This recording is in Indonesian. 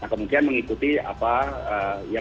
kemudian mengikuti apa